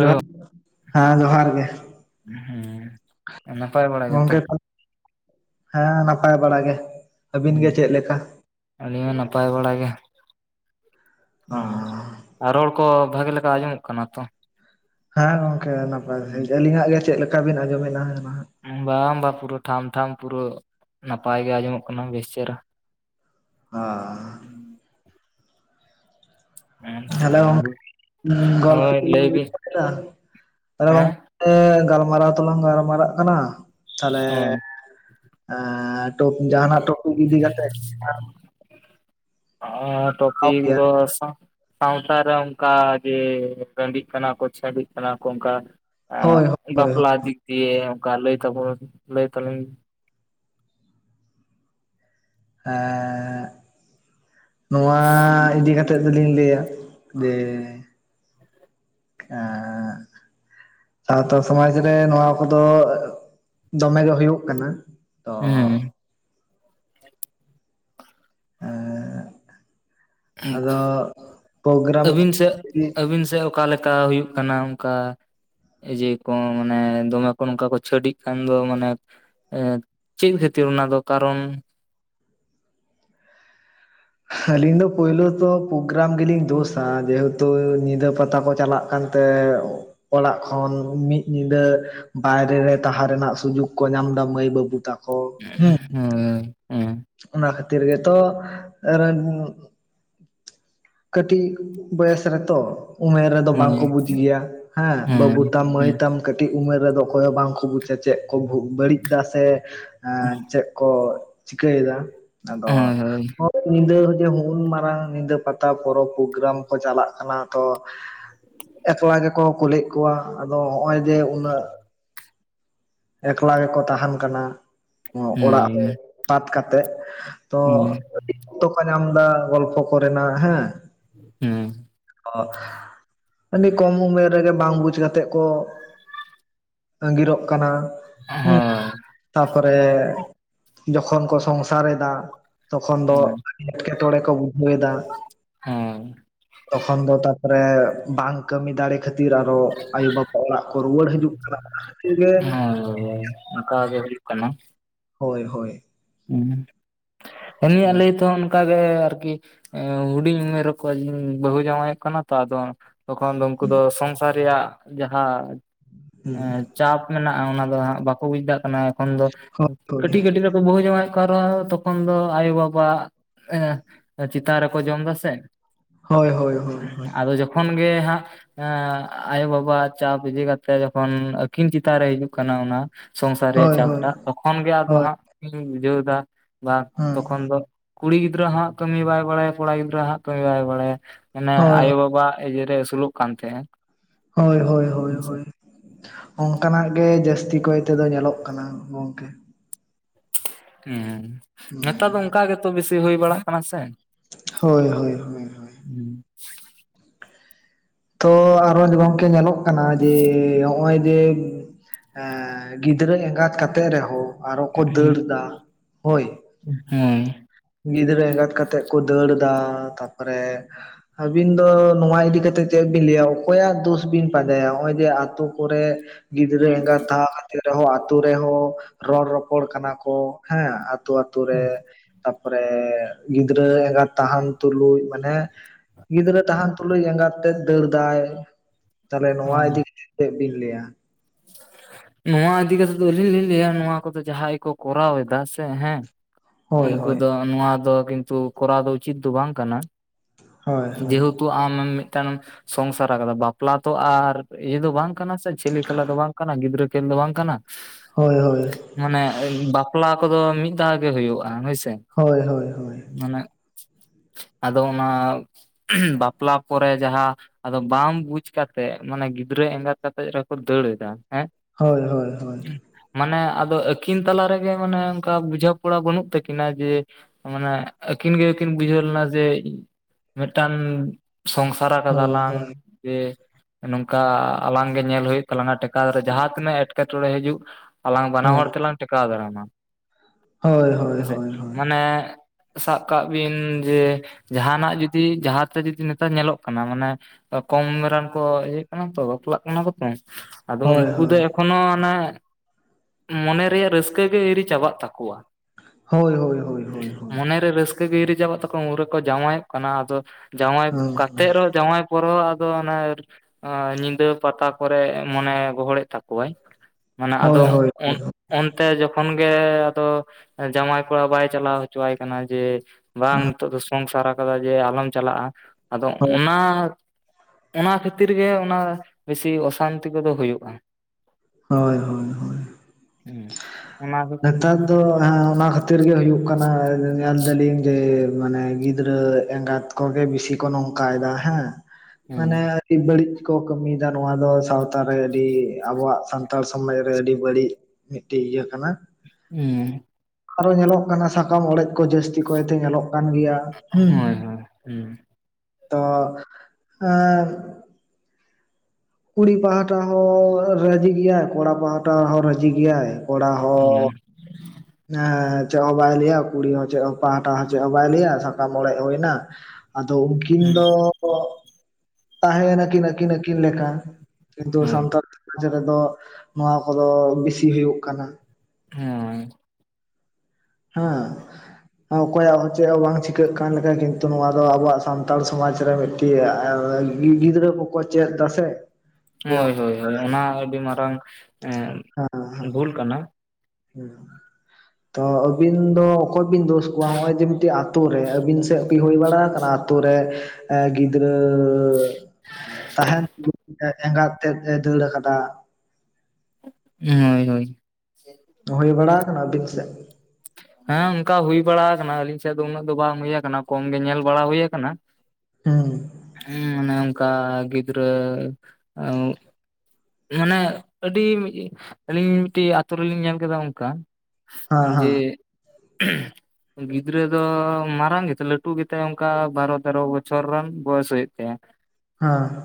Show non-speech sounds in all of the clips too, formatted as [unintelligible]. ᱡᱚᱦᱟᱨ ᱦᱮᱸ ᱡᱚᱦᱟᱨ ᱜᱮ ᱦᱩᱸ ᱵᱟᱲᱟ ᱜᱮᱛᱚ? ᱜᱚᱝᱠᱮ ᱦᱮᱸ ᱱᱟᱯᱟᱭ ᱵᱟᱲᱟ ᱜᱮ᱾ ᱟᱹᱵᱤᱱ ᱦᱩᱸ ᱜᱮ ᱪᱮᱫ ᱞᱮᱠᱟ ᱟᱹᱰᱤᱞᱤ ᱦᱚᱸ ᱱᱟᱯᱟᱭ ᱵᱟᱲᱟ ᱜᱮ ᱚ ᱦᱩᱸ᱾ ᱟᱨ ᱨᱚᱲ ᱠᱚ ᱵᱷᱟᱜᱮ ᱞᱮᱠᱟ ᱟᱸᱡᱚᱢᱚᱜ ᱠᱟᱱᱟ ᱛᱚ? ᱦᱮᱸ ᱜᱚᱝᱠᱮ ᱱᱟᱯᱟᱭ ᱟᱹᱞᱤᱧᱟᱜ ᱜᱮ ᱪᱮᱜ ᱞᱮᱠᱟ ᱵᱤᱱ ᱟᱸᱡᱚᱢ ᱮᱫᱟ ᱱᱟᱦᱟᱜ ᱵᱟᱝ ᱵᱟᱝ ᱯᱩᱨᱟᱹ ᱴᱷᱟᱢ ᱴᱷᱟᱢ ᱯᱩᱨᱟᱹ, ᱱᱟᱯᱟᱭ ᱜᱮ ᱟᱸᱡᱚᱢᱚᱜ ᱠᱟᱱᱟ ᱵᱮᱥ ᱪᱮᱦᱨᱟ᱾ ᱟ ᱩᱸ ᱦᱮᱞᱳ ᱦᱳᱭ ᱞᱟᱹᱭ ᱵᱤᱱ ᱦᱮᱸ [unintelligible] ᱮ ᱜᱟᱞᱢᱟᱨᱟᱣ ᱛᱚᱞᱟᱝ ᱜᱟᱞᱢᱟᱨᱟᱜ ᱠᱟᱱᱟ ᱛᱟᱦᱚᱞᱮ ᱦᱮᱸ ᱮ ᱴᱚᱯ ᱡᱟᱦᱟᱱᱟᱜ ᱴᱚᱯᱤᱠ ᱤᱫᱤ ᱠᱟᱛᱮᱜ ᱟ ᱴᱚᱯᱤᱠ ᱠᱮᱭᱟ ᱫᱚ ᱦᱟᱥᱟ ᱥᱟᱶᱛᱟᱨᱮ ᱚᱝᱠᱟ ᱡᱮ ᱨᱮᱺᱰᱤᱜ ᱠᱟᱱᱟ ᱠᱚ, ᱪᱟᱹᱰᱤᱜ ᱠᱟᱱᱟ ᱠᱚ ᱚᱝᱠᱟ ᱦᱳᱭ ᱦᱳᱭ ᱦᱳᱭ ᱵᱟᱯᱞᱟ ᱫᱤᱠ ᱫᱤᱭᱮ ᱚᱝᱠᱟ ᱞᱟᱹᱭ ᱛᱟᱵᱚᱱ ᱞᱟᱹᱭ ᱛᱟᱞᱟᱝ ᱮᱜ ᱱᱚᱣᱟ ᱤᱫᱤ ᱠᱟᱛᱮᱜ ᱫᱚᱞᱤᱧ ᱞᱟᱹᱭᱟ ᱫᱮᱸ ᱟᱸ ᱥᱟᱶᱛᱟ ᱥᱚᱢᱟᱡᱽ ᱨᱮ ᱱᱚᱣᱟ ᱠᱚᱫᱚ ᱫᱚᱢᱮ ᱜᱮ ᱦᱩᱭᱩᱜ ᱠᱟᱱᱟ ᱛᱚ ᱦᱮᱸ ᱮᱸ ᱯᱨᱳᱜᱨᱟᱢ ᱟᱹᱵᱤᱱ ᱥᱮᱫ ᱟᱹᱵᱤᱱ ᱥᱮᱫ ᱚᱠᱟᱞᱮᱠᱟ ᱦᱩᱭᱩᱜ ᱠᱟᱱᱟ ᱚᱱᱠᱟ ᱡᱮ ᱠᱚ ᱢᱟᱱᱮ ᱫᱚᱢᱮ ᱠᱚ ᱱᱚᱝᱠᱟ ᱠᱚ ᱪᱷᱟᱹᱰᱤᱜ ᱠᱟᱱ ᱫᱚ ᱢᱟᱱᱮ ᱪᱮᱫ ᱠᱷᱟᱹᱛᱤᱨ ᱚᱱᱟ ᱫᱚ ᱠᱟᱨᱚᱱ ᱟᱹᱞᱤᱧ ᱫᱚ ᱯᱳᱭᱞᱩ ᱫᱚ ᱯᱨᱳᱜᱨᱟᱢ ᱜᱮᱞᱤᱧ ᱫᱳᱥᱟ ᱡᱮᱦᱮᱛᱩ ᱧᱤᱫᱟᱹ ᱯᱟᱛᱟ ᱠᱚ ᱪᱟᱞᱟᱜ ᱠᱟᱱ ᱛᱮ ᱚᱲᱟᱜ ᱠᱷᱚᱱ ᱢᱤᱫ ᱧᱤᱫᱟᱹ ᱵᱟᱭᱨᱮ ᱨᱮ ᱛᱟᱦᱮᱸ ᱨᱮᱱᱟᱜ ᱥᱩᱡᱩᱜᱽ ᱠᱚ ᱧᱟᱢ ᱫᱟ ᱢᱟᱹᱭ ᱵᱟᱹᱵᱩ ᱛᱟᱠᱚ ᱦᱮᱸ ᱩᱸ ᱦᱩᱸ ᱚᱱᱟ ᱠᱷᱟᱹᱛᱤᱨ ᱜᱮᱛᱚ ᱨᱟᱹᱱ ᱠᱟᱹᱴᱤᱡ ᱵᱚᱭᱮᱥ ᱨᱮᱛᱚ ᱚᱢᱮᱸ ᱨᱮᱫᱚ ᱦᱳᱭ ᱵᱟᱝᱠᱚ ᱵᱩᱡ ᱜᱮᱭᱟ ᱦᱮᱸ ᱵᱟᱹᱵᱩ ᱛᱟᱢ ᱢᱟᱹᱭ ᱛᱟᱢ ᱠᱟᱹᱴᱤᱡ ᱩᱢᱮᱨ ᱨᱮᱫᱚ ᱚᱠᱚᱭ ᱦᱚᱸ ᱵᱟᱝᱠᱚ ᱵᱩᱡᱟ ᱪᱮᱫ ᱠᱚ ᱵᱷᱩᱜ ᱵᱟᱹᱲᱤᱡ ᱫᱟ ᱥᱮ ᱮᱸ ᱪᱮᱫ ᱠᱚ ᱪᱤᱠᱟᱹᱭᱮᱫᱟ ᱟᱫᱚ ᱦᱳᱭ ᱦᱳᱭ ᱧᱤᱫᱟᱹ ᱦᱚᱸ ᱡᱮ ᱦᱩᱜ-ᱩᱱ ᱢᱟᱨᱟᱝ ᱧᱤᱫᱟᱹ ᱯᱟᱛᱟ ᱯᱚᱨᱚᱵᱽ ᱯᱨᱳᱠᱜᱨᱟᱢ ᱠᱚ ᱪᱟᱞᱟᱜ ᱠᱟᱱᱟ ᱛᱚ ᱮᱠᱞᱟ ᱜᱮᱠᱚ ᱠᱩᱞᱮᱫ ᱠᱚᱣᱟ ᱟᱫᱚ ᱦᱚᱜᱼᱚᱭ ᱡᱮ ᱩᱱᱟᱹᱜ ᱮᱠᱞᱟ ᱜᱮᱠᱚ ᱛᱟᱦᱮᱱ ᱠᱟᱱᱟ ᱦᱳᱭ ᱦᱳᱭ ᱚᱲᱟᱜ ᱫᱚ ᱦᱮᱸ ᱵᱟᱫ ᱠᱟᱛᱮᱜ ᱛᱚ ᱦᱳᱭ ᱚᱠᱛᱚ ᱠᱚ ᱧᱟᱢ ᱮᱫᱟ ᱜᱚᱞᱯᱷᱚ ᱠᱚᱨᱮᱱᱟᱜ ᱦᱮᱸ, ᱦᱩᱸ ᱾ ᱚᱸ ᱟᱹᱰᱤ ᱠᱚᱢ ᱩᱢᱮᱨ ᱨᱮᱜᱮ ᱵᱟᱝ ᱵᱩᱡᱽ ᱠᱟᱛᱮᱫ ᱠᱚ, ᱟᱺᱜᱤᱨᱚᱜ ᱠᱟᱱᱟ ᱾ ᱦᱚᱭ, ᱛᱟᱨᱯᱚᱨᱮ ᱡᱚᱠᱷᱚᱱ ᱠᱚ ᱥᱚᱝᱥᱟᱨ ᱮᱫᱟ ᱛᱚᱠᱷᱚᱱ ᱫᱚ, ᱮᱴᱠᱮᱴᱚᱬᱮ ᱠᱚ ᱵᱩᱡᱷᱟᱹᱣ ᱮᱫᱟ ᱾ ᱦᱚᱭ ᱾ ᱛᱚᱠᱷᱚᱱ ᱫᱚ ᱛᱟᱨᱯᱚᱨᱮ ᱵᱟᱝ ᱠᱟᱹᱢᱤ ᱫᱟᱲᱮ ᱠᱷᱟᱹ ᱛᱤᱨ ᱟᱨ ᱦᱚᱸ ᱟᱭᱳᱼᱵᱟᱵᱟ ᱚᱲᱟᱜ ᱠᱚ ᱨᱩᱣᱟᱹᱲ ᱦᱤᱡᱩᱜ ᱠᱟᱱᱟ ᱚᱱᱟ ᱠᱷᱟᱹᱛᱤᱨ ᱜᱮ, ᱚᱱᱠᱟᱜᱮ ᱦᱩᱭ ᱠᱟᱱᱟ ᱾ ᱦᱳᱭ ᱦᱳᱭ ᱾ ᱦᱩ ᱟᱹᱞᱤᱧᱟᱜ ᱞᱟᱹᱭ ᱦᱩᱸ ᱛᱮᱦᱚᱸ, ᱚᱱᱠᱟᱜᱮ ᱟᱨᱠᱤ ᱦᱩᱰᱤᱧ ᱩᱢᱮᱨᱮᱠᱚ ᱵᱟᱹᱦᱩ ᱡᱟᱶᱟᱭᱚᱜ ᱠᱟᱱᱟ ᱛᱚ ᱟᱫᱚ, ᱛᱚᱠᱷᱚᱱ ᱫᱚ ᱩᱱᱠᱩ ᱫᱚ ᱥᱚᱝᱥᱟᱨ ᱨᱮᱭᱟᱜ ᱡᱟᱦᱟᱸ ᱮᱸ, ᱪᱟᱯ ᱢᱮᱱᱟᱜᱼᱟ ᱚᱱᱟ ᱫᱚ ᱦᱟᱸᱜ ᱵᱟᱠᱚ ᱵᱩᱡ ᱫᱟᱲᱟᱹᱟᱜ ᱠᱟᱱᱟ ᱮᱠᱷᱚᱱ ᱫᱚ ᱦᱩᱸ ᱠᱟᱹᱴᱤᱡ ᱠᱟᱹᱴᱤᱡ ᱨᱮᱠᱚ ᱵᱟᱹᱦᱩ, ᱡᱟᱶᱟᱭᱚᱜ ᱠᱟᱱ ᱨᱮᱦᱚᱸ ᱛᱚᱠᱷᱚᱱ ᱫᱚ ᱟᱭᱳ-ᱵᱟᱵᱟᱜ, ᱚᱸ ᱪᱮᱛᱟᱱ ᱨᱮᱠᱚ ᱡᱚᱢ ᱫᱟᱥᱮ ᱦᱳᱭ ᱦᱳᱭ ᱦᱳᱭ ᱟᱫᱚ ᱡᱚᱠᱷᱚ ᱛᱚᱠᱷᱚᱱ ᱜᱮ ᱦᱟᱸᱜ, ᱮᱸ ᱟᱭᱳ ᱵᱟᱵᱟᱜ ᱪᱟᱯ ᱤᱫᱤ ᱠᱟᱛᱮᱜ ᱡᱚᱠᱷᱚᱱ ᱟᱹᱠᱤᱱ ᱪᱮᱛᱟᱱ ᱨᱮ ᱦᱤᱡᱩᱜ ᱠᱟᱱᱟ ᱚᱱᱟ, ᱥᱚᱝᱥᱟᱨ ᱨᱮᱭᱟᱜ ᱦᱳᱭ ᱦᱳᱭ ᱦᱳᱭ ᱪᱟᱯᱚᱴᱟᱜ ᱛᱚᱠᱷᱚᱱ ᱜᱮ ᱟᱫᱚ ᱦᱳᱭ ᱦᱟᱸᱜ ᱠᱤᱱ ᱵᱩᱡᱷᱟᱹᱣ ᱫᱟ ᱵᱟᱝ ᱦᱮᱸ ᱛᱚᱠᱷᱚᱱ ᱫᱚ, ᱠᱩᱲᱤ ᱜᱤᱫᱽᱨᱟᱹ ᱦᱟᱸᱜ ᱠᱟᱹᱢᱤ ᱵᱟᱭ ᱵᱟᱲᱟᱭᱟ ᱠᱚᱲᱟ ᱜᱤᱫᱽᱨᱟᱹ ᱦᱟᱸᱜ ᱠᱟᱹᱢᱤ ᱵᱟᱭ ᱵᱟᱲᱟᱭᱟ ᱢᱟᱱᱮ ᱦᱳᱭ ᱟᱭᱳ ᱵᱟᱵᱟᱜ, ᱤᱭᱟᱹᱨᱮ ᱟᱹᱥᱩᱞᱚᱜ ᱠᱟᱱ ᱛᱟᱦᱮᱸ ᱾ ᱦᱳᱭ ᱦᱳᱭ ᱦᱳᱭ ᱦᱳᱭ ᱾ ᱚᱱᱠᱟᱱᱟᱜ ᱜᱮ ᱡᱟᱹᱥᱛᱤ ᱠᱟᱭ ᱛᱮᱫᱚ ᱧᱮᱞᱚᱜ ᱠᱟᱱᱟ ᱜᱚᱢᱠᱮ ᱾ ᱦᱩᱸ ᱱᱮᱛᱟᱨ ᱫᱚ ᱚᱱᱠᱟ ᱜᱮᱛᱚ ᱵᱮᱥᱤ ᱦᱩᱭ ᱵᱟᱲᱟᱜ ᱠᱟᱱᱟ ᱥᱮ, ᱦᱳᱭ ᱦᱳᱭ ᱦᱳᱭ ᱾ ᱦᱩᱸ ᱾ ᱛᱚ ᱟᱨᱚ ᱜᱚᱢᱠᱮ ᱧᱮᱞᱚᱜ ᱠᱟᱱᱟ ᱡᱮ ᱦᱚᱜ-ᱚᱭ ᱡᱮ, ᱮᱸ ᱜᱤᱫᱽᱨᱟᱹ ᱮᱸᱜᱟᱛ ᱠᱟᱛᱮᱜ ᱨᱮᱦᱚᱸ ᱟᱨᱦᱚᱸ ᱠᱚ ᱫᱟᱹᱲᱮᱫᱟ ᱦᱳᱭ ᱾ ᱦᱩᱸ ᱾ ᱜᱤᱫᱽᱨᱟᱹ ᱮᱸᱜᱟᱛ ᱠᱟᱛᱮᱜ ᱠᱚ ᱫᱟᱹᱲ ᱫᱟᱻ ᱛᱟᱯᱚᱨᱮ, ᱟᱹᱵᱤᱱ ᱫᱚ ᱱᱚᱣᱟ ᱤᱫᱤ ᱠᱟᱛᱮ ᱪᱮᱫ ᱵᱤᱱ ᱞᱟᱹᱭᱟ ᱚᱠᱚᱭᱟᱜ ᱫᱳᱥ ᱵᱤᱱ ᱯᱟᱸᱡᱟᱭᱟ ᱱᱚᱜᱼᱚᱭ ᱡᱮ ᱟᱛᱳ ᱠᱚᱨᱮ, ᱜᱤᱫᱽᱨᱟᱹ ᱮᱸᱜᱟᱛ ᱠᱟᱛᱮ ᱨᱮᱦᱚᱸ ᱟᱛᱳ ᱨᱮᱦᱚᱸ ᱨᱚᱲ ᱨᱚᱯᱚᱲ ᱠᱟᱱᱟ ᱠᱚ ᱦᱮᱸ, ᱟᱛᱳ, ᱟᱛᱳ ᱨᱮ ᱛᱟᱨᱯᱚᱨᱮ ᱜᱤᱫᱽᱨᱟᱹ ᱮᱸᱜᱟᱛ ᱛᱟᱦᱟᱱ ᱛᱩᱞᱩᱡ ᱢᱟᱱᱮ, ᱜᱤᱫᱽᱨᱟᱹ ᱛᱟᱦᱮᱱ ᱛᱩᱞᱩᱡ ᱮᱸᱜᱟᱛ ᱛᱮᱫ ᱫᱟᱹᱲ ᱫᱟᱭ ᱛᱟᱦᱚᱞᱮ ᱱᱚᱣᱟ ᱤᱫᱤ ᱠᱟᱛᱮ ᱪᱮᱫ ᱵᱤᱱ ᱞᱟᱹᱭᱟ, [inaudible] ᱱᱚᱣᱟ ᱤᱫᱤ ᱠᱟᱛᱮᱜ ᱫᱚ ᱟᱹᱞᱤᱧ ᱞᱤᱧ ᱞᱟᱹᱭᱟ ᱱᱚᱣᱟ ᱠᱚᱫᱚ ᱡᱟᱦᱟᱸᱭ ᱜᱮ ᱠᱚ ᱠᱚᱨᱟᱣ ᱮᱫᱟ ᱥᱮ ᱦᱮᱸ, ᱦᱳᱭ ᱩᱱᱠᱩ ᱦᱳᱭ ᱫᱚ ᱱᱚᱣᱟ ᱫᱚ ᱠᱤᱱᱛᱩ ᱠᱚᱨᱟᱣ ᱫᱚ ᱩᱪᱤᱛ ᱫᱚ ᱵᱟᱝ ᱠᱟᱱᱟ ᱦᱳᱭ ᱡᱮᱦᱩᱛᱩ, ᱟᱢᱮᱢ ᱢᱤᱫᱴᱟᱝ ᱮᱢ ᱥᱚᱝᱥᱟᱨ ᱟᱠᱟᱫᱟ ᱵᱟᱯᱞᱟ ᱛᱚ ᱟᱨ ᱤᱭᱟᱹ ᱫᱚ ᱵᱟᱝ ᱠᱟᱱᱟ ᱥᱮ ᱪᱮᱷᱞᱮ, ᱫᱚ ᱵᱟᱝ ᱠᱟᱱᱟ ᱜᱤᱫᱽᱨᱟᱹ ᱠᱷᱮᱞ ᱫᱚ ᱵᱟᱝ ᱠᱟᱱᱟ, ᱦᱳᱭ ᱦᱳᱭ ᱾ ᱢᱟᱱᱮ ᱵᱟᱯᱞᱟ ᱠᱚᱫᱚ ᱢᱤᱫ ᱫᱷᱟᱣ ᱜᱮ ᱦᱩᱭᱩᱜᱼᱟ ᱦᱳᱭᱥᱮ, ᱦᱳᱭ ᱦᱳᱭ ᱦᱳᱭ ᱾ ᱢᱟᱱᱮ ᱟᱫᱚ ᱚᱱᱟ, ᱵᱟᱯᱞᱟ ᱯᱚᱨᱮ ᱡᱟᱦᱟᱸ ᱟᱫᱚ ᱵᱟᱝ ᱵᱩᱡ ᱠᱟᱛᱮᱜ ᱢᱟᱱᱮ ᱜᱤᱫᱽᱨᱟᱹ ᱮᱸᱜᱟᱛ ᱠᱟᱛᱮᱜ ᱨᱮ, ᱫᱟᱹᱲᱮᱫᱟ ᱦᱮᱸ, ᱦᱳᱭ ᱦᱳᱭ ᱦᱳᱭ ᱾ ᱢᱟᱱᱮ ᱟᱫᱚ ᱟᱹᱠᱤᱱ ᱛᱟᱞᱟ ᱨᱮᱜᱮ ᱢᱟᱱᱮ ᱚᱱᱠᱟ ᱵᱩᱡᱷᱟᱹᱣ ᱯᱚᱲᱟ ᱵᱟᱹᱱᱩᱜ ᱛᱟᱹᱠᱤᱱᱟ ᱡᱮ, ᱢᱟᱱᱮ ᱟᱹᱠᱤᱱ ᱜᱮᱠᱤᱱ ᱵᱩᱡᱷᱟᱹᱣ ᱞᱮᱱᱟ ᱡᱮ ᱢᱤᱫᱴᱟᱝ, ᱥᱚᱝᱥᱟᱨ ᱟᱠᱟᱫᱟ ᱦᱳᱭ ᱞᱟᱝ ᱦᱳᱭ ᱡᱮ ᱱᱚᱝᱠᱟ ᱟᱞᱟᱝ ᱜᱮ ᱧᱮᱞ ᱦᱩᱭᱩᱜ ᱞᱟᱝ ᱴᱮᱠᱟᱣ ᱫᱟᱲᱮᱜ ᱡᱟᱦᱟᱸ ᱛᱤᱱᱟᱹᱜ ᱮᱴᱠᱮᱴᱚᱬᱮ ᱦᱤᱡᱩᱜ ᱟᱞᱟᱝ ᱵᱟᱱᱟ ᱦᱚᱲ ᱦᱳᱭ ᱛᱮᱞᱟᱝ ᱴᱮᱠᱟᱣ ᱫᱟᱨᱟᱢᱟ ᱦᱳᱭ ᱦᱳᱭ ᱦᱳᱭ ᱦᱮᱸ ᱥᱮ ᱦᱳᱭ ᱢᱟᱱᱮ ᱥᱟᱵ ᱠᱟᱜ ᱵᱤᱱ ᱡᱮ ᱡᱟᱦᱟᱱᱟᱜ ᱡᱩᱫᱤ ᱡᱟᱦᱟᱸᱛᱮ ᱡᱩᱫᱤ ᱱᱮᱛᱟᱨ ᱧᱮᱞᱚᱜ ᱠᱟᱱᱟ ᱢᱟᱱᱮ ᱠᱚᱢ ᱩᱢᱮᱨᱟᱱ ᱠᱚ ᱤᱭᱟᱹ ᱠᱟᱱᱟ ᱛᱚ ᱵᱟᱯᱞᱟᱜ ᱠᱟᱱᱟ ᱠᱚᱛᱚ ᱟᱫᱚ ᱦᱳᱭ ᱦᱳᱭ ᱩᱱᱠᱩ ᱫᱚ ᱦᱳᱭ ᱮᱠᱷᱚᱱᱳ ᱚᱱᱮ ᱢᱚᱱᱮ ᱨᱮᱭᱟᱜ ᱨᱟᱹᱥᱠᱟᱹᱜ ᱜᱮ ᱟᱹᱣᱨᱤ ᱪᱟᱵᱟᱜ ᱛᱟᱠᱚᱣᱟ ᱦᱳᱭ ᱦᱳᱭ ᱦᱳᱭ ᱦᱳᱭ ᱦᱳᱭ ᱢᱚᱱᱮᱨᱮ ᱨᱟᱹᱥᱠᱟᱹ ᱜᱮ ᱟᱣᱨᱤ ᱪᱟᱵᱟᱜ ᱛᱟᱠᱚᱣᱟ ᱩᱱ ᱨᱮᱠᱚ ᱡᱟᱶᱟᱭᱚᱜ ᱠᱟᱱᱟ ᱟᱫᱚ ᱡᱟᱶᱟᱭ ᱦᱳᱭ ᱦᱳᱭ ᱠᱟᱛᱮᱜ ᱨᱮᱦᱚᱸ ᱡᱟᱶᱟᱭ ᱯᱚᱨ ᱦᱚᱸ ᱟᱫᱚ ᱚᱱᱮ ᱧᱤᱫᱟᱹ ᱯᱟᱛᱟ ᱠᱚᱨᱮ ᱢᱚᱱᱮ ᱜᱚᱦᱚᱲᱮᱫ ᱛᱟᱠᱚᱣᱟᱭ ᱢᱟᱱᱮ ᱟᱫᱚ ᱦᱳᱭ ᱚᱱᱛᱮ ᱡᱚᱠᱷᱚᱱ ᱜᱮ ᱟᱫᱚ ᱡᱟᱶᱟᱭ ᱠᱚᱲᱟ ᱵᱟᱭ ᱪᱟᱞᱟᱣ ᱦᱚᱪᱚᱣᱟᱭ ᱠᱟᱱᱟ ᱡᱮ ᱵᱟᱝ ᱱᱤᱛᱚᱜ ᱫᱚ ᱥᱚᱝᱥᱟᱨ ᱟᱠᱟᱫᱟ ᱡᱮ ᱟᱞᱚᱢ ᱪᱟᱞᱟᱜᱼᱟ ᱟᱫᱚ ᱚᱱᱟ ᱚᱱᱟ ᱠᱷᱟᱹᱛᱤᱨ ᱜᱮ ᱚᱱᱟ ᱵᱮᱥᱤ ᱚᱥᱟᱱᱛᱤ ᱠᱚᱫᱚ ᱦᱩᱭᱩᱜᱼᱟ ᱦᱳᱭ ᱦᱳᱭ ᱦᱳᱭ ᱦᱩᱸ ᱚᱱᱟ ᱫᱚ ᱱᱮᱛᱟᱨ ᱟᱫᱚ ᱦᱮᱸ ᱚᱱᱟ ᱠᱷᱟᱹᱛᱤᱨ ᱜᱮ ᱦᱩᱭᱩᱜ ᱠᱟᱱᱟ ᱧᱮᱞ ᱮ ᱫᱟᱞᱤᱧ ᱡᱮ ᱢᱟᱱᱮ ᱜᱤᱫᱽ ᱜᱤᱫᱽᱨᱟᱹ ᱮᱸᱜᱟᱛ ᱠᱚᱜᱮ ᱵᱤᱥᱤ ᱠᱚ ᱱᱚᱝᱠᱟ ᱮᱫᱟ ᱦᱮᱸ ᱦᱩᱸ ᱢᱟᱱᱮ ᱵᱟᱹᱲᱤᱡ ᱠᱚ ᱠᱟᱹᱢᱤᱭᱮᱫᱟ ᱱᱚᱣᱟ ᱫᱚ ᱥᱟᱶᱛᱟ ᱨᱮ ᱟᱹᱰᱤ ᱟᱵᱚᱣᱟᱜ ᱥᱟᱱᱛᱟᱲ ᱥᱚᱢᱟᱡᱽ ᱨᱮ ᱟᱹᱰᱤ ᱵᱟᱹᱲᱤᱡ ᱢᱤᱫᱴᱮᱱ ᱤᱭᱟᱹ ᱠᱟᱱᱟ ᱦᱮᱸ ᱟᱨᱦᱚ ᱧᱮᱞᱚᱜ ᱠᱟᱱᱟ ᱥᱟᱠᱟᱢ ᱚᱲᱮᱡ ᱠᱚ ᱡᱟᱹᱥᱛᱤ ᱠᱚᱭᱛᱮ ᱧᱮᱞᱚᱜ ᱠᱟᱱᱟ ᱠᱟᱱ ᱜᱮᱭᱟ ᱦᱩᱸ ᱦᱳᱭ ᱦᱳᱭ ᱦᱩᱸ ᱛᱚ ᱠᱩᱲᱤ ᱯᱟᱦᱟᱴᱟ ᱦᱚᱸ ᱨᱟᱹᱡᱤ ᱜᱮᱭᱟᱭ ᱠᱚᱲᱟ ᱯᱟᱦᱟᱴᱟ ᱦᱚᱸ ᱨᱟᱹᱡᱤ ᱜᱮᱭᱟᱭ ᱠᱚᱲᱟ ᱦᱚ ᱦᱩᱸ ᱦᱮᱸ ᱪᱮᱫ ᱦᱚᱸ ᱵᱟᱭ ᱞᱮᱭᱟ ᱠᱩᱲᱤ ᱦᱚᱸ ᱪᱮᱫ ᱯᱟᱦᱴᱟ ᱦᱚᱸ ᱪᱮᱫ ᱦᱚᱸ ᱵᱟᱭ ᱞᱮᱭᱟ ᱥᱟᱠᱟᱢ ᱚᱲᱮᱡ ᱦᱩᱭᱱᱟ ᱟᱫᱚ ᱩᱱᱠᱤᱱ ᱫᱚ ᱛᱟᱦᱮᱸᱭᱱᱟᱹᱠᱤᱱ ᱟᱹᱠᱤᱱ ᱟᱹᱠᱤᱱ ᱞᱮᱠᱟ ᱠᱤᱱᱛᱩ ᱦᱳᱭ ᱥᱟᱱᱛᱟᱲ ᱥᱟᱡᱽ ᱨᱮᱫᱚ ᱱᱚᱣᱟ ᱠᱚᱫᱚ ᱵᱮᱥᱤ ᱦᱩᱭᱩᱜ ᱠᱟᱱᱟ ᱦᱮᱸ ᱦᱮᱸ ᱚᱠᱚᱭᱟᱜ ᱦᱚᱸ ᱪᱮᱫ ᱦᱚᱸ ᱵᱟᱝ ᱪᱤᱠᱟᱹᱜ ᱠᱟᱱ ᱞᱮᱠᱟ, ᱠᱤᱱᱛᱩ ᱱᱚᱣᱟ ᱫᱚ ᱟᱵᱚᱣᱟᱜ ᱥᱟᱱᱛᱟᱲ ᱥᱚᱢᱟᱡᱽ ᱨᱮ, ᱢᱤᱫᱴᱮᱱ ᱟ ᱟ ᱟᱨ ᱜᱤ ᱜᱤ ᱜᱤᱫᱽᱨᱟᱹ ᱠᱚᱠᱚ ᱪᱮᱫ ᱫᱟᱥᱮ ᱾ ᱦᱳᱭ, ᱦᱳᱭ, ᱦᱳᱭ, ᱚᱱᱟ ᱟᱹᱰᱤ ᱢᱟᱨᱟᱝ ᱾ ᱦᱮᱸ, ᱦᱮᱸ, ᱦᱮᱸ, ᱛᱚ ᱟᱹᱵᱤᱱ ᱫᱚ ᱚᱠᱚᱭ ᱵᱤᱱ ᱫᱳᱥ ᱠᱚᱣᱟ, ᱱᱚᱜᱼᱚᱭ ᱡᱮ ᱢᱤᱫᱴᱮᱡ ᱟᱛᱳ ᱨᱮ ᱟᱹᱵᱤᱱ ᱥᱮᱫ ᱵᱤᱱ ᱦᱩᱭ ᱵᱟᱲᱟ ᱟᱠᱟᱱᱟ ᱟᱛᱩ ᱨᱮ? ᱜᱤᱫᱽᱨᱟᱹ ᱛᱟᱦᱮᱱ ᱛᱮ ᱮᱸᱜᱟᱛ ᱛᱮᱫ ᱮ ᱫᱟᱹᱲ ᱟᱠᱟᱫᱟ ᱾ ᱦᱳᱭ ᱦᱳᱭ ᱾ ᱦᱩᱭ ᱵᱟᱲᱟ ᱟᱠᱟᱱᱟ ᱟᱹᱵᱤᱱ ᱥᱮᱫ? ᱦᱮᱸ, ᱚᱱᱠᱟ ᱦᱩᱭ ᱵᱟᱲᱟ ᱟᱠᱟᱱᱟ ᱾ ᱟᱹᱞᱤᱧ ᱥᱮᱫ ᱫᱚ ᱩᱱᱟᱹᱜ ᱫᱚ ᱵᱟᱝ ᱦᱩᱭ ᱟᱠᱟᱱᱟ, ᱠᱚᱢ ᱜᱮ ᱧᱮᱞ ᱵᱟᱲᱟ ᱦᱩᱭ ᱟᱠᱟᱱᱟ ᱾ ᱦᱩᱸ ᱦᱩᱸ ᱚᱱᱮ ᱚᱱᱠᱟ ᱜᱤᱫᱽᱨᱟᱹ ᱢᱟᱱᱮ ᱟᱹᱰᱤ ᱟᱹᱞᱤᱧ ᱢᱤᱫᱴᱮᱡ ᱟᱛᱳ ᱨᱮ ᱞᱤᱧ ᱧᱮᱞ ᱠᱮᱫᱟ ᱚᱱᱠᱟ, ᱦᱮᱸ ᱡᱮ ᱦᱮᱸ ᱜᱤᱫᱽᱨᱟᱹ ᱫᱚ ᱢᱟᱨᱟᱝ ᱜᱮᱛᱟᱭ, ᱞᱟᱹᱴᱩ ᱜᱮᱛᱟᱭ, ᱚᱱᱠᱟ ᱵᱟᱨᱚ ᱛᱮᱨᱚ ᱵᱚᱪᱷᱚᱨ ᱨᱮᱱ ᱵᱚᱭᱮᱥ ᱦᱩᱭᱩᱜ ᱛᱟᱭᱟ ᱾ ᱦᱮᱸ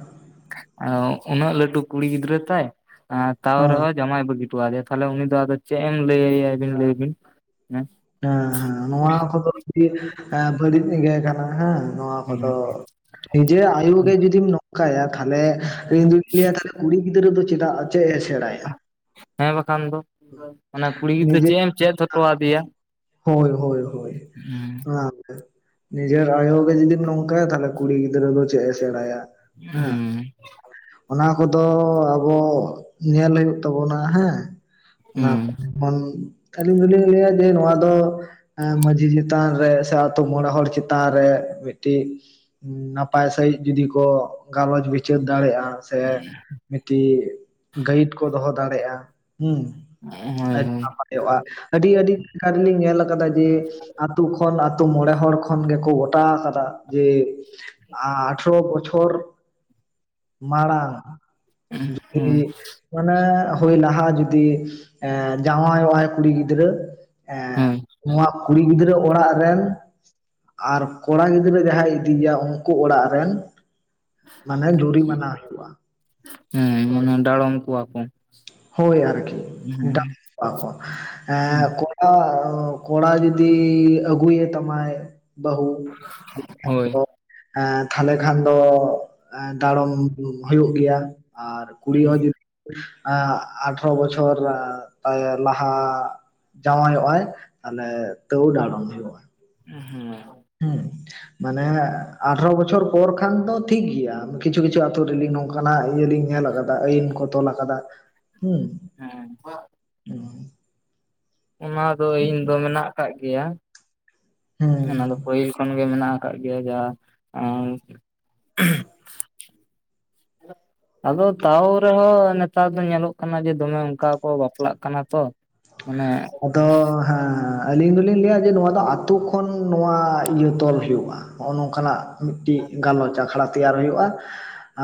ᱩᱱᱟᱹᱜ ᱞᱟᱹᱴᱩ ᱠᱩᱲᱤ ᱜᱤᱫᱽᱨᱟᱹ ᱛᱟᱭ ᱛᱟᱣ ᱦᱮᱸ ᱨᱮᱦᱚᱸ ᱡᱟᱢᱟᱭ ᱵᱟᱹᱜᱤ ᱦᱚᱴᱚᱣᱟ ᱟᱫᱮᱭᱟ ᱛᱟᱦᱞᱮ ᱩᱱᱤ ᱫᱚ ᱟᱫᱚ ᱪᱮᱫ ᱮᱢ ᱞᱟᱹᱭ ᱟᱭᱟ ᱟᱵᱤᱱ ᱞᱟᱹᱭ ᱵᱤᱱ ᱦᱮᱸ ᱦᱮᱸ ᱦᱮᱸ ᱱᱚᱣᱟ ᱠᱚᱫᱚ ᱟᱹᱰᱤ ᱵᱟᱹᱲᱤᱡ ᱜᱮ ᱠᱟᱱᱟ ᱦᱮᱸ ᱱᱚᱣᱟ ᱠᱚᱫᱚ ᱱᱤᱡᱮᱨ ᱟᱭᱩ ᱜᱮ ᱡᱩᱫᱤᱢ ᱱᱚᱝᱠᱟᱭᱟ ᱛᱟᱦᱚᱞᱮ ᱤᱧ ᱫᱩᱧ ᱞᱟᱹᱭᱟ, ᱛᱟᱦᱚᱞᱮ ᱠᱩᱲᱤ ᱜᱤᱫᱽᱨᱟᱹ ᱫᱚ ᱪᱮᱫᱟᱜ ᱪᱮᱫ ᱮ ᱥᱮᱬᱟᱭᱟ? ᱦᱮᱸ ᱵᱟᱠᱷᱟᱱ ᱫᱚ, ᱠᱩᱲᱤ ᱜᱤᱫᱽᱨᱟᱹ ᱱᱤᱡᱮ ᱪᱮᱫ ᱮᱢ ᱪᱮᱫ ᱦᱚᱴᱚᱣᱟᱫᱮᱭᱟ? ᱦᱳᱭ ᱦᱳᱭ ᱦᱳᱭ ᱾ ᱱᱤᱡᱮᱨ ᱟᱭᱳ ᱜᱮ ᱡᱩᱫᱤ ᱱᱚᱝᱠᱟᱭᱟ ᱛᱟᱦᱚᱞᱮ ᱠᱩᱲᱤ ᱜᱤᱫᱽᱨᱟᱹ ᱫᱚ ᱪᱮᱫ ᱮ ᱥᱮᱬᱟᱭᱟ ᱦᱮᱸ? ᱦᱩᱸ ᱚᱱᱟ ᱠᱚᱫᱚ ᱟᱵᱚ ᱧᱮᱞ ᱦᱩᱭᱩᱜ ᱛᱟᱵᱚᱱᱟ, ᱦᱮᱸ᱾ ᱚᱱᱟ ᱦᱩᱸ ᱠᱷᱚᱱ ᱟᱹᱞᱤᱧ ᱫᱚᱞᱤᱧ ᱞᱟᱹᱭᱟ ᱡᱮ ᱱᱚᱣᱟ ᱫᱚ, ᱮᱸ ᱢᱟᱺᱡᱷᱤ ᱪᱮᱛᱟᱱ ᱨᱮ, ᱥᱮ ᱟᱛᱳ ᱢᱚᱬᱮ ᱦᱚᱲ ᱪᱮᱛᱟᱱ ᱨᱮ, ᱢᱤᱫᱴᱤᱡ ᱱᱟᱯᱟᱭ ᱥᱟᱺᱦᱤᱡ ᱡᱩᱫᱤ ᱠᱚ ᱜᱟᱞᱚᱪ ᱵᱤᱪᱟᱹᱨ ᱫᱟᱲᱮᱭᱟᱜᱼᱟ ᱾ ᱥᱮ ᱢᱤᱫᱴᱤᱡ ᱜᱟᱹᱭᱤᱰ ᱠᱚ ᱫᱚᱦᱚ ᱫᱟᱲᱮᱭᱟᱜᱼᱟ, ᱦᱩᱸ ᱾ ᱦᱳᱭ ᱦᱳᱭ ᱾ ᱦᱩᱭᱩᱜᱼᱟ, ᱟᱹᱰᱤ ᱟᱹᱰᱤ ᱡᱟᱭᱜᱟ ᱨᱮ ᱞᱤᱧ ᱧᱮᱞ ᱟᱠᱟᱫᱟ ᱡᱮ, ᱟᱛᱳ ᱠᱷᱚᱱ ᱟᱛᱳ ᱢᱚᱬᱮ ᱦᱚᱲ ᱠᱷᱚᱱ ᱜᱮᱠᱚ ᱜᱚᱴᱟ ᱟᱠᱟᱫᱟ ᱡᱮ, ᱟᱴᱷᱟᱨᱚ ᱵᱚᱪᱷᱚᱨ ᱢᱟᱲᱟᱟᱝ ᱡᱤ ᱦᱳᱭ ᱢᱟᱱᱮ ᱦᱳᱭ ᱞᱟᱦᱟ ᱡᱩᱫᱤ ᱮ ᱡᱟᱶᱟᱭᱚᱜᱟᱭ ᱠᱩᱲᱤ ᱜᱤᱫᱽᱨᱟᱹ ᱮᱸ ᱦᱳᱭ ᱱᱚᱶᱟ ᱠᱩᱲᱤ ᱜᱤᱫᱽᱨᱟᱹ ᱚᱲᱟᱜ ᱨᱮᱱ, ᱟᱨ ᱠᱚᱲᱟ ᱜᱤᱫᱽᱨᱟᱹ ᱡᱟᱦᱟᱸᱭ ᱤᱫᱤᱭᱮᱭᱟ ᱩᱱᱠᱩ ᱚᱲᱟᱜ ᱨᱮᱱ, ᱢᱟᱱᱮ ᱡᱩᱨᱤᱢᱟᱱᱟ ᱦᱩᱭᱩᱜᱼᱟ ᱦᱮᱸ, ᱢᱟᱱᱮ ᱰᱟᱲᱚᱢ ᱠᱚᱣᱟ ᱠᱚ ᱾ ᱦᱳᱭ ᱟᱨᱠᱤ, ᱰᱟᱲᱚᱢ ᱠᱚᱣᱟ ᱠᱚ ᱾ ᱠᱚᱲᱟ ᱡᱩᱫᱤ ᱟᱜᱩᱭᱮ ᱛᱟᱢᱟᱭ ᱵᱟᱹᱦᱩ, ᱦᱳᱭ ᱫᱚ ᱛᱟᱦᱚᱞᱮ ᱠᱷᱟᱱ ᱫᱚ ᱰᱟᱲᱚᱢ ᱦᱩᱭᱩᱜ ᱜᱮᱭᱟ ᱟᱨ ᱠᱩᱲᱤ ᱦᱮᱸ ᱦᱚᱸ ᱡᱩᱫᱤ ᱮ ᱟᱴᱷᱨᱚ ᱵᱚᱪᱷᱚᱨ ᱛᱟᱭ ᱞᱟᱦᱟ, ᱡᱟᱶᱚᱜᱼᱟᱭ, ᱛᱟᱦᱚᱞᱮ ᱛᱟᱹᱣ ᱰᱟᱲᱚᱢ ᱦᱩᱭᱩᱜᱼᱟ ᱾ ᱦᱩᱸ ᱾ ᱦᱩᱸ ᱢᱟᱱᱮ ᱟᱨ ᱟᱴᱷᱟᱨᱚ ᱵᱚᱪᱷᱚᱨ ᱯᱚᱨ ᱠᱷᱟᱱ ᱫᱚ ᱴᱷᱤᱠ ᱜᱮᱭᱟ, ᱠᱤᱪᱷᱩ ᱠᱤᱪᱷᱩ ᱟᱛᱳ ᱨᱮ ᱞᱤᱧ ᱱᱚᱝᱠᱟᱱᱟᱜ ᱤᱭᱟᱹ ᱞᱤᱧ ᱧᱮᱞ ᱟᱠᱟᱫᱟ ᱟᱹᱭᱤᱱ ᱠᱚ ᱛᱚᱞ ᱟᱠᱟᱫᱟ ᱾ ᱦᱮᱸ ᱾ ᱦᱮᱸ ᱾ ᱚᱱᱟ ᱫᱚ ᱤᱱ ᱫᱚ ᱢᱮᱱᱟᱜ ᱟᱠᱟᱫ ᱜᱮᱭᱟ ᱦᱮᱸ ᱚᱱᱟ ᱫᱚ ᱦᱮᱸ ᱯᱟᱹᱦᱤᱞ ᱠᱷᱚᱱ ᱜᱮ ᱢᱮᱱᱟᱜ ᱟᱠ ᱾ ᱜᱮ [unintelligible] ᱡ [unintelligible] ᱟᱨ ᱟᱫᱚ ᱛᱟᱣ ᱨᱮᱦᱚᱸ ᱱᱮᱛᱟᱨ ᱫᱚ ᱧᱮᱞᱚᱜ ᱠᱟᱱᱟ ᱡᱮ ᱫᱚᱢᱮ ᱚᱱᱠᱟ ᱠᱚ ᱵᱟᱯᱞᱟᱜ ᱠᱟᱱᱟ ᱛᱚ ᱢᱟᱱᱮ ᱟᱫᱚ ᱦᱮᱸ ᱟᱹᱞᱤᱧ ᱫᱚᱞᱤᱧ ᱞᱟᱹᱭᱟ ᱡᱮ ᱱᱚᱣᱟ ᱫᱚ ᱟᱛᱳ ᱠᱷᱚᱱ ᱱᱚᱣᱟ ᱤᱭᱟᱹ ᱛᱚᱞ ᱦᱩᱭᱩᱜᱼᱟ ᱦᱚ ᱱᱝᱠᱟᱱᱟᱜ ᱢᱤᱫᱴᱤᱡ ᱜᱟᱞᱚᱪ ᱟᱠᱷᱲᱟ ᱛᱮᱭᱟᱨ ᱦᱩᱭᱩᱜᱼᱟ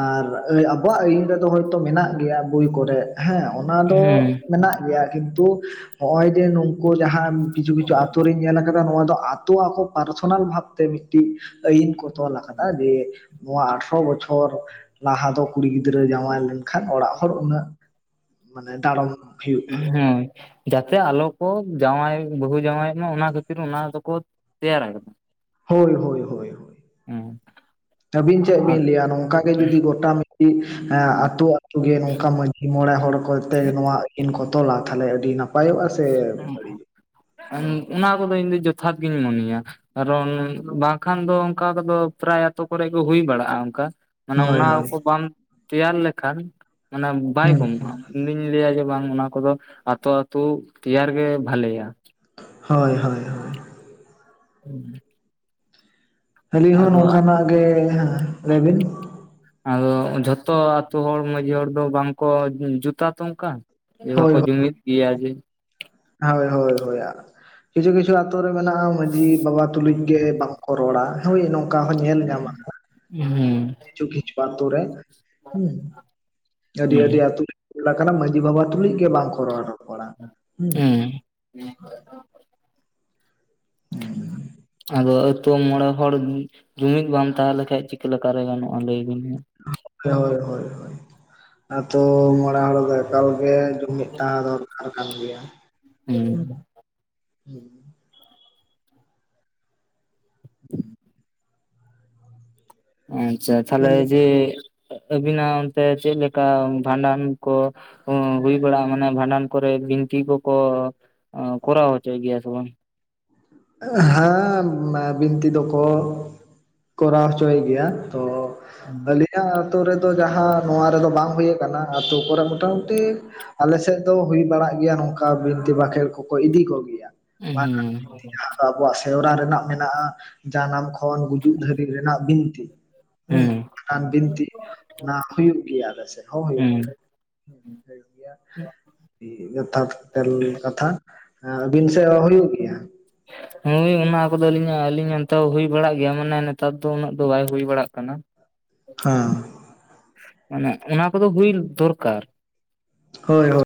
ᱟᱨ ᱟᱵᱚᱣᱟᱜ ᱟᱹᱭᱤᱱ ᱨᱮᱫᱚ ᱦᱚᱳᱭᱛᱚ ᱢᱮᱱᱟᱜ ᱜᱮᱭᱟ ᱵᱳᱭ ᱠᱚᱨᱮ ᱦᱮᱸ ᱚᱱᱟ ᱫᱚ ᱦᱮᱸ ᱢᱮᱱᱟᱜ ᱜᱮᱭᱟ ᱠᱤᱱᱛᱩ ᱱᱚᱜ-ᱚᱭ ᱡᱮ ᱱᱩᱝᱠᱩ ᱡᱟᱦᱟᱸ ᱠᱤᱪᱷᱩ ᱠᱤᱪᱷᱩ ᱟᱛᱳ ᱨᱤᱧ ᱧᱮᱞ ᱟᱠᱟᱫᱟ ᱱᱚᱣᱟ ᱫᱚ ᱟᱛᱳ ᱟᱠᱚ ᱯᱟᱨᱥᱚᱱᱟᱞ ᱵᱷᱟᱵ ᱛᱮ ᱢᱤᱫᱴᱤᱡ ᱟᱹᱭᱤᱱ ᱠᱚ ᱛᱚᱞ ᱟᱠᱟᱫᱟ ᱡᱮ ᱱᱚᱣᱟ ᱟᱴᱷᱨᱚ ᱵᱚᱪᱷᱚᱨ ᱞᱟᱦᱟ ᱫᱚ ᱠᱩᱲᱤ ᱜᱤᱫᱽᱨᱟᱹ ᱡᱟᱶᱟᱭ ᱞᱮᱱᱠᱷᱟᱱ ᱚᱲᱟᱜ ᱦᱚᱲ ᱩᱱᱟᱹᱜ ᱢᱟᱱᱮ ᱰᱟᱲᱚᱢ ᱦᱩᱭᱩᱜᱼᱟ ᱦᱮᱸ ᱡᱟᱛᱮ ᱟᱞᱚ ᱠᱚ ᱡᱟᱶᱟᱭ ᱵᱟᱹᱦᱩ ᱡᱟᱶᱟᱭᱚᱜ ᱢᱟ ᱚᱱᱟ ᱠᱷᱟᱛᱤᱨ ᱚᱱᱟ ᱫᱚᱠᱚ ᱛᱮᱭᱟᱨ ᱟᱠᱟᱫᱟ ᱦᱳᱭ ᱦᱳᱭ ᱦᱳᱭ ᱦᱮᱸ ᱟᱹᱵᱤᱱ ᱪᱮᱫ ᱵᱤᱱ ᱞᱟᱹᱭᱟ ᱱᱚᱝᱠᱟ ᱜᱮ ᱡᱩᱫᱤ ᱜᱚᱴᱟ ᱟᱛᱳ, ᱟᱛᱳ ᱜᱮ ᱱᱚᱝᱠᱟ ᱢᱟᱺᱡᱷᱤ ᱢᱚᱬᱮ ᱦᱚᱲ ᱠᱚᱛᱮ ᱱᱚᱣᱟ ᱟᱹᱭᱤᱱ ᱠᱚ ᱛᱚ ᱛᱚᱞᱟ ᱛᱟᱦᱚᱞᱮ ᱟᱹᱰᱤ ᱱᱟᱯᱟᱭᱚᱜᱼᱟ ᱥᱮ ᱵᱟᱹᱲᱤᱡᱚᱜᱼᱟ ᱚᱱᱟ ᱠᱚᱫᱚ ᱤᱧ ᱫᱚ ᱡᱚᱛᱷᱟᱛ ᱜᱤᱧ ᱢᱚᱱᱮᱭᱟ ᱾ ᱠᱟᱨᱚᱱ ᱵᱟᱝᱠᱷᱟᱱ ᱫᱚ ᱚᱱᱠᱟ ᱠᱚᱫᱚ ᱯᱨᱟᱭ ᱟᱛᱳ ᱠᱚᱨᱮ ᱜᱮ ᱦᱩᱭ ᱵᱟᱲᱟᱜᱼᱟ ᱚᱱᱠᱟ ᱾ ᱢᱟᱱᱮ ᱦᱳᱭ ᱚᱱᱟ ᱦᱳᱭ ᱠᱚ ᱵᱟᱢ ᱛᱮᱭᱟᱨ ᱞᱮᱠᱷᱟᱱ ᱢᱟᱱᱮ ᱵᱟᱭ ᱦᱩᱸ ᱦᱩᱸ ᱠᱢᱚᱜᱼᱟ ᱤᱧ ᱫᱩᱧ ᱞᱟᱹᱭᱟ ᱡᱮ ᱵᱟᱝ ᱚᱱᱟ ᱠᱚᱫᱚ ᱟᱛᱳ ᱟᱛᱳ ᱛᱮᱭᱟᱨ ᱜᱮ ᱵᱷᱟᱞᱮᱭᱟ ᱦᱳᱭ ᱦᱳᱭ ᱦᱳᱭ ᱦᱮᱸ ᱟᱹᱞᱤᱧ ᱦᱚᱸ ᱱᱚᱝᱠᱟ ᱱᱟᱜ ᱜᱮ ᱞᱟᱹᱭ ᱵᱤᱱ ᱟᱫᱚ ᱡᱷᱚᱛᱚ ᱟᱹᱛᱩ ᱦᱚᱲ ᱢᱟᱺᱡᱷᱤ ᱦᱚᱲ ᱫᱚ ᱵᱟᱝᱠᱚ ᱡᱩᱛᱟ ᱛᱚ ᱚᱱᱠᱟ ᱮ ᱦᱳᱭ ᱵᱟᱠᱚ ᱡᱩᱢᱤᱫ ᱜᱮᱭᱟ ᱡᱮ ᱦᱳᱭ ᱦᱳᱭ ᱦᱳᱭ ᱠᱤᱪᱷᱩ ᱠᱤᱪᱷᱩ ᱟᱛᱩ ᱨᱮ ᱢᱮᱱᱟᱜᱼᱟ ᱢᱟᱺᱡᱷᱤ ᱵᱟᱵᱟ ᱛᱩᱞᱩᱡ ᱜᱮ ᱠᱚ ᱨᱚᱲᱟ ᱦᱳᱭ ᱱᱚᱝᱠᱟ ᱦᱚᱸ ᱧᱮᱞ ᱧᱟᱢᱚᱜᱼᱟ ᱦᱩᱸ ᱠᱤᱪᱷᱩ ᱠᱤᱪᱷᱩ ᱟᱛᱩ ᱨᱮ ᱟᱹᱰᱤ ᱦᱩᱸ ᱟᱹᱰᱤ ᱟᱛᱩ ᱨᱮᱱ ᱠᱟᱱᱟ ᱢᱟᱺᱡᱷᱤ ᱵᱟᱵᱟ ᱛᱩᱞᱩᱡ ᱜᱮ ᱵᱟᱝᱠᱚ ᱨᱚᱲ ᱨᱚᱯᱚᱲᱟ ᱦᱮᱸ [unintelligible] ᱟᱫᱚ ᱟᱹᱛᱩ ᱢᱚᱲᱮ ᱦᱚᱲ ᱡᱩᱢᱤᱫ ᱜᱮ ᱵᱟᱝ ᱛᱟᱦᱮ ᱞᱮᱠᱷᱟ ᱪᱤᱠᱟᱹᱞᱮᱠᱟᱨᱮ ᱜᱟᱱᱚᱜᱼᱟ ᱞᱟᱹᱭ ᱵᱤᱱ ᱢᱟ ᱦᱳᱭ ᱦᱳᱭ ᱦᱳᱭ ᱟᱛᱩ ᱢᱚᱬᱮ ᱦᱚᱲ ᱫᱚ ᱮᱠᱟᱞ ᱜᱮ ᱢᱤᱫᱴᱟᱝ ᱫᱚᱨᱠᱟᱨ ᱠᱟᱱ ᱜᱮᱭᱟ [inaudible] ᱟᱪᱪᱷᱟ ᱛᱟᱦᱞᱮ ᱡᱮ ᱦᱮᱸ ᱟᱹᱵᱤᱱᱟᱜ ᱚᱱᱛᱮ ᱪᱮᱫ ᱞᱮᱠᱟ ᱵᱷᱟᱸᱰᱟᱱ ᱠᱚ ᱚ ᱦᱩᱭ ᱵᱟᱲᱟ ᱢᱟᱱᱮ ᱵᱷᱟᱸᱰᱟᱱ ᱠᱚᱨᱮ ᱵᱤᱱᱛᱤ ᱠᱚᱠᱚ ᱠᱚᱨᱟᱣ ᱦᱚᱪᱚᱭ ᱜᱮᱭᱟ ᱥᱮ ᱵᱟᱝ ᱦᱮᱸ ᱮᱢ ᱵᱤᱱᱛᱤ ᱫᱚᱠᱚ ᱠᱚᱨᱟᱣ ᱦᱚᱪᱚᱭ ᱜᱮᱭᱟ ᱛᱚ ᱟᱹᱞᱤᱧ ᱟᱞᱤᱧᱟᱹᱜ ᱟᱛᱩ ᱨᱮᱫᱚ ᱡᱟᱦᱟᱸ ᱱᱚᱣᱟ ᱨᱮᱫᱚ ᱵᱟᱝ ᱦᱩᱭ ᱟᱠᱟᱱᱟ ᱟᱹᱛᱩ ᱠᱚᱨᱮ ᱢᱚᱴᱟᱢᱩᱴᱤ ᱟᱞᱮ ᱥᱮᱫ ᱫᱚ ᱦᱩᱭ ᱵᱟᱲᱟᱜ ᱜᱮᱭᱟ ᱱᱚᱝᱠᱟ ᱵᱤᱱᱛᱤ ᱵᱟᱸᱠᱷᱮᱬ ᱠᱚᱠᱚ ᱤᱫᱤ ᱠᱚᱜᱮᱭᱟ ᱦᱩᱸ ᱟᱫᱚ ᱟᱵᱚᱣᱟᱜ ᱥᱮᱨᱣᱟ ᱨᱮᱱᱟᱜ ᱢᱮᱱᱟᱜᱼᱟ ᱡᱟᱱᱟᱢ ᱠᱷᱚᱱ ᱜᱩᱡᱩᱜ ᱫᱷᱹᱵᱤᱡ ᱨᱮᱱᱟᱜ ᱵᱤᱱᱛᱤ ᱦᱮᱸ ᱦᱩᱸ ᱟᱨ ᱵᱤᱱᱛᱤ ᱚᱱᱟ ᱦᱩᱭᱩᱜ ᱜᱮᱭᱟ ᱟᱞᱮᱥᱮᱫ ᱦᱚᱸ ᱦᱩᱭᱩᱜ ᱦᱩᱸ ᱜᱮᱭᱟ ᱦᱩᱭᱩᱜ ᱜᱮᱭᱟ ᱡᱚᱛᱷᱟᱛ ᱠᱟᱛᱷᱟ ᱟᱹᱵᱤᱱ ᱥᱮᱫ ᱦᱚ ᱦᱩᱭᱩᱜ ᱜᱮᱭᱟ ᱦᱳᱭ ᱚᱱᱟ ᱠᱚᱫᱚ ᱟᱹᱞᱤᱧᱟᱜ ᱟᱹᱞᱤᱧ ᱚᱱᱛᱮ ᱦᱚᱸ ᱦᱩᱭ ᱵᱟᱲᱟᱜ ᱜᱮᱭᱟ ᱢᱟᱱᱮ ᱱᱮᱛᱟᱨ ᱫᱚ ᱩᱱᱟᱹᱜ ᱫᱚ ᱵᱟᱭ ᱦᱩᱭ ᱵᱟᱲᱟᱜ ᱠᱟᱱᱟ ᱦᱮᱸ ᱢᱟᱱᱮ ᱚᱱᱟ ᱠᱚᱫᱚ ᱦᱩᱭ ᱫᱚᱨᱠᱟᱨ ᱦᱳᱭ ᱦᱳᱭ